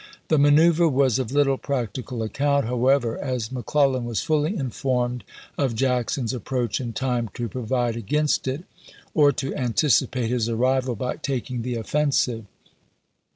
The manoeuvre was of little practical account, however, as McClellan was fully informed of Jackson's approach in time to provide against it, or to anticipate his arrival by taking the offensive.